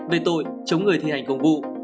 về tội chống người thi hành công vụ